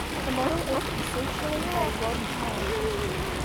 The model is essentially a rod puppet.